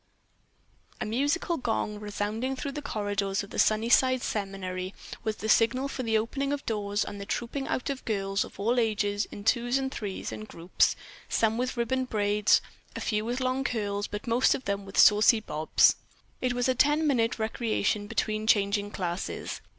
A musical gong, resounding through the corridors of the Sunnyside seminary, was the signal for the opening of doors and the trooping out of girls of all ages, in twos and threes and groups; some with ribboned braids, a few with long curls but most of them with saucy bobs. It was a ten minute recreation between changing classes.